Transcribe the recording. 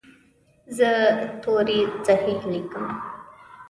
زه توري صحیح لیکم.